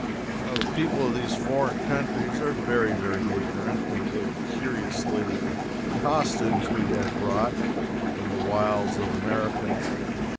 The people of those foreign countries are very, very ignorant. They looked curiously at the costumes we had brought from the wilds of America.